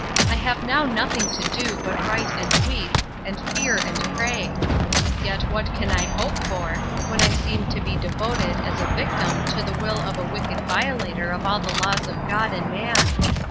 —I have now nothing to do, but write and weep, and fear and pray! But yet what can I hope for, when I seem to be devoted, as a victim to the will of a wicked violator of all the laws of God and man!